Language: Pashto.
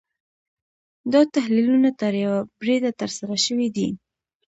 دا تحلیلونه تر یوه بریده ترسره شوي دي.